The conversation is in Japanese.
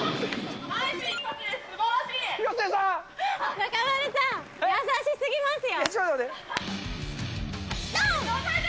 中丸さん、優しすぎますよ。